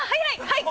はい！